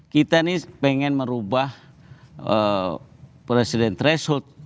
kita ini pengen merubah presiden threshold